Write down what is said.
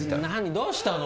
どうしたの？